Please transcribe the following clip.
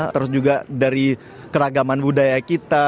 terus juga dari keragaman budaya kita